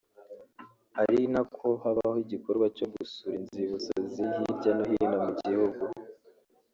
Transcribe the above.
ari na ko habaho igikorwa cyo gusura inzibutso ziri hirya no hino mu gihugu